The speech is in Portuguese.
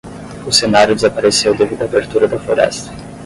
O cenário desapareceu devido à abertura da floresta